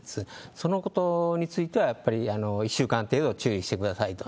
そのことについてはやっぱり１週間程度注意してくださいと。